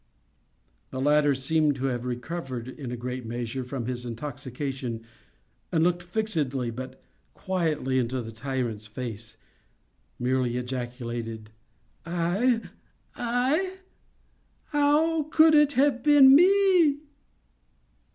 The latter seemed to have recovered, in great measure, from his intoxication, and looking fixedly but quietly into the tyrant's face, merely ejaculated: "I—I? How could it have been me?"